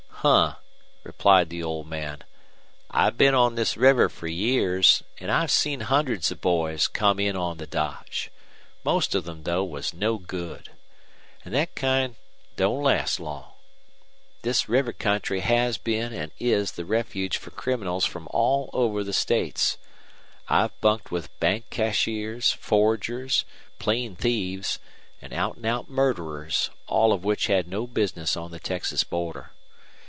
"Huh," replied the old man. "I've been on this river fer years, an' I've seen hundreds of boys come in on the dodge. Most of them, though, was no good. An' thet kind don't last long. This river country has been an' is the refuge fer criminals from all over the states. I've bunked with bank cashiers, forgers, plain thieves, an' out an' out murderers, all of which had no bizness on the Texas border.